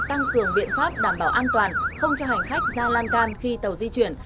tăng cường biện pháp đảm bảo an toàn không cho hành khách ra lan can khi tàu di chuyển